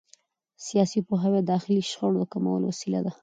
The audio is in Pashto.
سیاسي پوهاوی د داخلي شخړو د کمولو وسیله ده